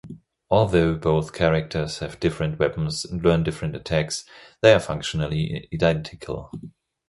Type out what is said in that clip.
Although both characters have different weapons and learn different attacks, they are functionally identical.